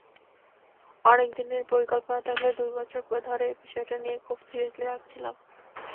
অনেক দিনের পরিকল্পনা থাকলেও দুই বছর ধরে বিষয়টা নিয়ে খুব সিরিয়াসলি ভাবছিলাম।